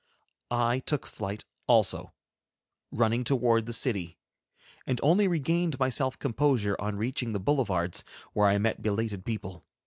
I took flight also, running toward the city, and only regained my self composure, on reaching the boulevards, where I met belated people.